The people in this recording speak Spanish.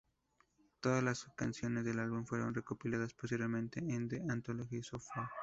Todas las canciones del álbum fueron recopiladas posteriormente en "The Anthology... So Far".